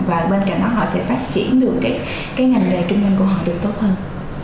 và bên cạnh đó họ sẽ phát triển được cái ngành nghề kinh doanh của họ được tốt hơn